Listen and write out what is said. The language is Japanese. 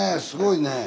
すごいね。